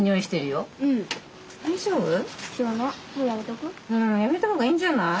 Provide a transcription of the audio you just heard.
うんやめたほうがいいんじゃない？